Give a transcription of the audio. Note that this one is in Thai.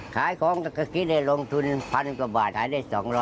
ขายของก็คิดได้ลงทุน๑๐๐กว่าบาทขายได้๒๐๐